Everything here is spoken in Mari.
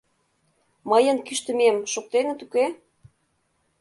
Мыйын кӱштымем шуктеныт, уке?